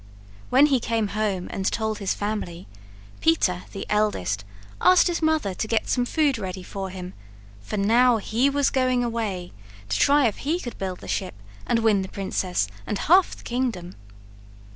When he came home amid told his family, Peter, the eldest, asked his mother to get some food ready for him, for now he was going away to try if he could build the ship and win the princess and half the kingdom.